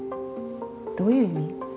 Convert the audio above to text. どういう意味？